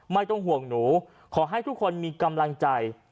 ไม่ต้องห่วงหนูขอให้ทุกคนมีกำลังใจ